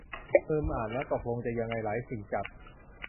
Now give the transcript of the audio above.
อืม อ่านแล้ว ตกลงจะยังไง หลายสิ่งจัด